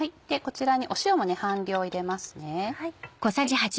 こちらに塩も半量入れます。